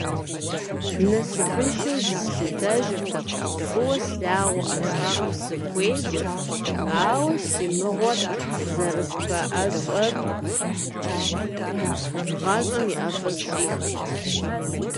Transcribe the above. Насыпыншэу зыслъытэжыртэкъым, фӀыуэ слъагъу ӀэщӀагъэм сыхуеджэрт, ауэ си мыгъуэр зэрыспэӀэщӀэм гъащӀэм и ӀэфӀыр щӀихырт.